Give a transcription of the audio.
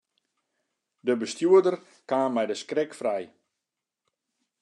De bestjoerder kaam mei de skrik frij.